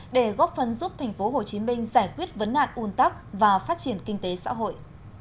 để góp phần giúp tp hcm giải quyết vấn nạn un tắc và phát triển kinh tế xã hội